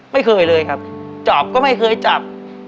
ไม่เคยเลยครับจอบก็ไม่เคยจับ